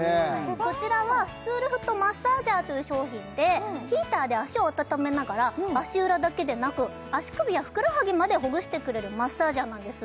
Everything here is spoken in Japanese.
こちらはスツールフットマッサージャーという商品でヒーターで足を温めながら足裏だけでなく足首やふくらはぎまでほぐしてくれるマッサージャーなんです